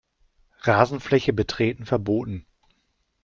Rasenfläche betreten verboten.